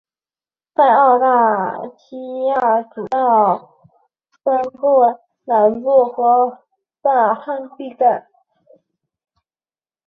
在澳大拉西亚主要分布于北部的半干旱地带。